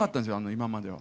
今までは。